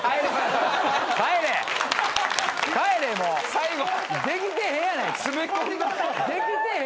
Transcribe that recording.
最後。